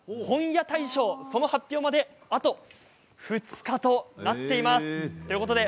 本屋大賞、その発表まであと２日となっています。